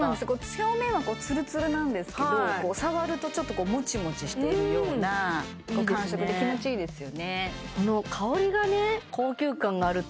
表面はつるつるなんですけど触るとちょっともちもちしているような感触で気持ちいいですよねあっ